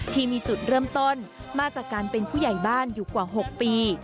ที่มีจุดเริ่มต้นมาจากการเป็นผู้ใหญ่บ้านอยู่กว่า๖ปี